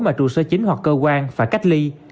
mà trụ sở chính hoặc cơ quan phải cách ly